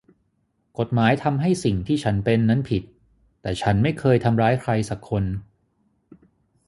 กฎหมายทำให้สิ่งที่ฉันเป็นนั้นผิด แต่ฉันไม่เคยทำร้ายใครสักคน